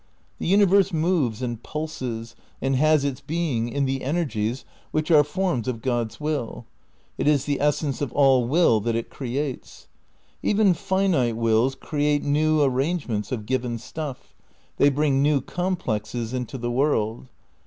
The universe moves and pulses and has its being in the energies which are forms of God's Will. It is the essence of all will that it creates. Even finite wills create new arrangements of given stuff, they bring new complexes into the world.